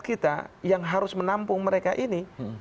kita yang harus menampung mereka ini